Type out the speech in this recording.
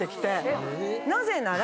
なぜなら。